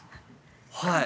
はい。